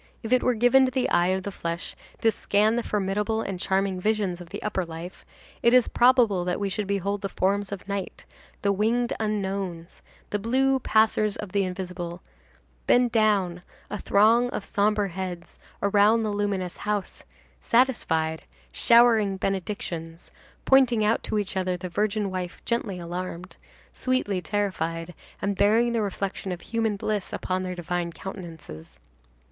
If it were given to the eye of the flesh to scan the formidable and charming visions of the upper life, it is probable that we should behold the forms of night, the winged unknowns, the blue passers of the invisible, bend down, a throng of sombre heads, around the luminous house, satisfied, showering benedictions, pointing out to each other the virgin wife gently alarmed, sweetly terrified, and bearing the reflection of human bliss upon their divine countenances.